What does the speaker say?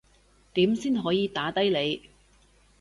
點先可以打低你